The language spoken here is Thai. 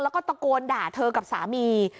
แล้วก็ตะโกนด่าเธอกับสามี